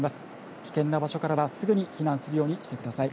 危険な場所からすぐに避難するようにしてください。